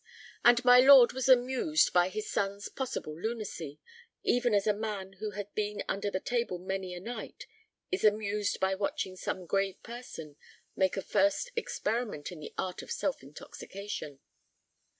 And my lord was amused by his son's possible lunacy, even as a man who has been under the table many a night is amused by watching some grave person make a first experiment in the art of self intoxication.